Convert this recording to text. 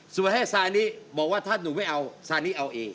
ให้ซานิบอกว่าถ้าหนูไม่เอาซานิเอาเอง